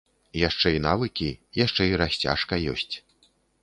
Яшчэ і навыкі, яшчэ і расцяжка ёсць.